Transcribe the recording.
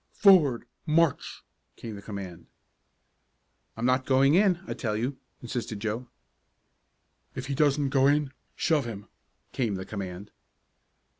"Forward, march!" came the command. "I'm not going in I tell you!" insisted Joe. "If he doesn't go in, shove him," came the command.